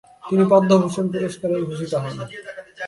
তিনি পদ্মভূষণ পুরস্কারে ভূষিত হন।